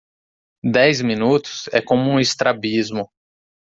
Dez minutos é como um estrabismo